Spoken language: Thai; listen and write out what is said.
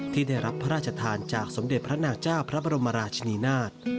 ที่ได้รับพระราชทานจากสมเด็จพระนาเจ้าพระบรมราชนีนาฏ